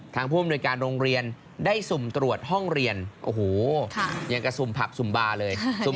ผู้อำนวยการโรงเรียนได้สุ่มตรวจห้องเรียนโอ้โหยังกระสุ่มผับสุ่มบาร์เลย